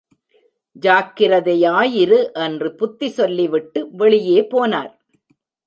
ஜாக்கிரதையாயிரு என்று புத்தி சொல்லிவிட்டு வெளியே போனார்.